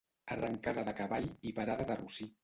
Arrancada de cavall i parada de rossí.